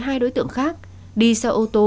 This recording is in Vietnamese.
hai đối tượng khác đi xe ô tô